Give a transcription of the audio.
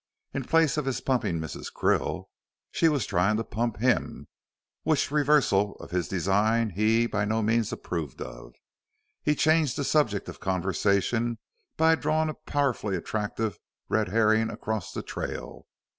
In place of his pumping Mrs. Krill, she was trying to pump him, which reversal of his design he by no means approved of. He changed the subject of conversation by drawing a powerfully attractive red herring across the trail.